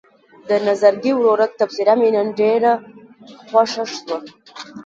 د نظرګي ورورک تبصره مې نن ډېره خوښه شوه.